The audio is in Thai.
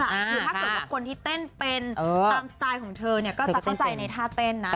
ถ้าเกิดว่าคนที่เต้นเป็นตามสไตล์เทอร์คงเค้ใจท่าเต้นน๊ะ